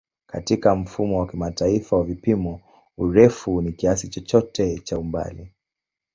Katika Mfumo wa Kimataifa wa Vipimo, urefu ni kiasi chochote cha umbali.